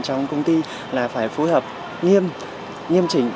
trong công ty là phải phối hợp nghiêm nghiêm chỉnh